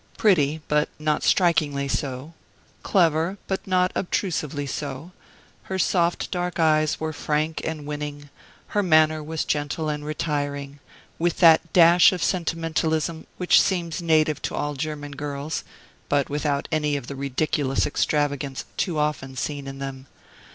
Pretty, but not strikingly so clever, but not obtrusively so; her soft dark eyes were frank and winning; her manner was gentle and retiring, with that dash of sentimentalism which seems native to all German girls, but without any of the ridiculous extravagance too often seen in them.